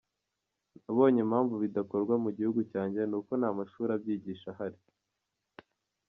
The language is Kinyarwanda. Nabonye impamvu bidakorwa mu gihugu cyanjye ni uko nta mashuri abyigisha ahari.